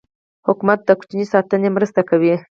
حکومت د ماشوم ساتنې مرسته کوي.